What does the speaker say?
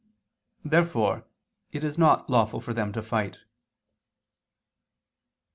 Therefore it is not lawful for them to fight.